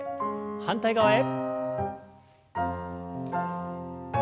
反対側へ。